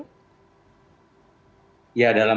ya dalam pandangan